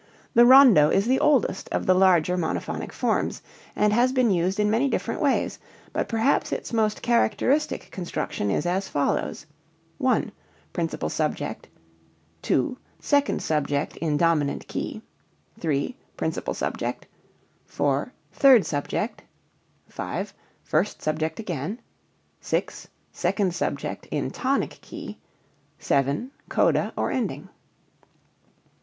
The rondo is the oldest of the larger monophonic forms and has been used in many different ways, but perhaps its most characteristic construction is as follows: (1) Principal subject; (2) second subject in dominant key; (3) principal subject; (4) third subject; (5) first subject again; (6) second subject, in tonic key; (7) coda (or ending).